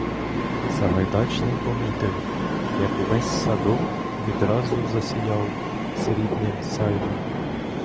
Сагайдачний помітив, як увесь садок відразу засіяв срібним сяйвом.